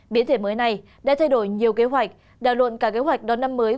biến thể mới này đã thay đổi nhiều kế hoạch đào luận cả kế hoạch đón năm mới